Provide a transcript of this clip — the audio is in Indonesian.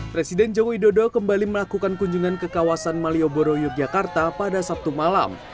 presiden jokowi dodo kembali melakukan kunjungan ke kawasan malioboro yogyakarta pada sabtu malam